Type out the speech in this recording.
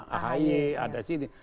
ahy ada sini